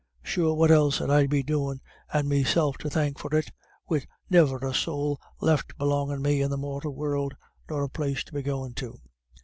Sure what else 'ud I be doin', and meself to thank for it, wid niver a sowl left belongin' me in the mortal world, nor a place to be goin' to?"